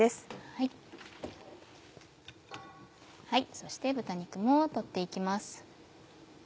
そして豚肉も取って行きます。